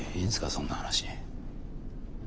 そんな話。